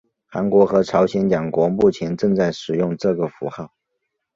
韩国和朝鲜两国目前正在使用这个符号。